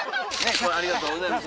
ありがとうございます。